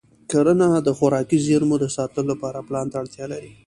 کرنه د خوراکي زېرمو د ساتلو لپاره پلان ته اړتیا لري.